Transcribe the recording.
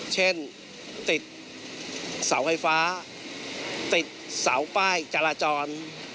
เช่นติดเสาไฟฟ้าติดเสาป้ายจราจร